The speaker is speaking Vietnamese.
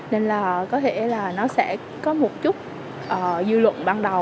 nên có thể nó sẽ có một chút dư luận ban đầu